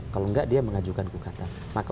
kalau tidak dia mengajukan kukatan